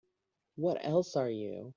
What else are you?